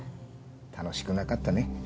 楽しくなかったね。